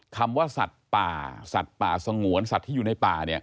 คำว่าสัตว์ป่าสัตว์ป่าสงวนสัตว์ที่อยู่ในป่าเนี่ย